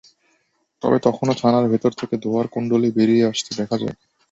তবে তখনো থানার ভেতর থেকে ধোঁয়ার কুণ্ডলী বেরিয়ে আসতে দেখা যায়।